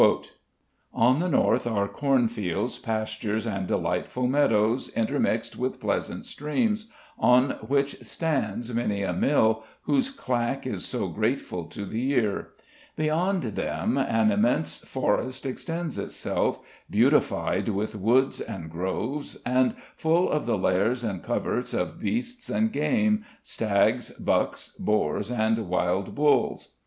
"On the north are cornfields, pastures, and delightful meadows, intermixed with pleasant streams, on which stands many a mill, whose clack is so grateful to the ear. Beyond them an immense forest extends itself, beautified with woods and groves, and full of the lairs and coverts of beasts and game, stags, bucks, boars, and wild bulls."